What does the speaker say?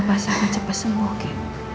pasti akan cepet semua oke